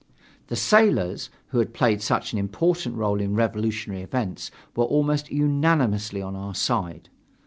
The sailors, who had played such an important role in revolutionary events, were almost unanimously on our side.